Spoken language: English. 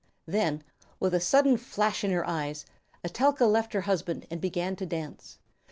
Then, with a sudden flash in her eyes, Etelka left her husband and began to dance.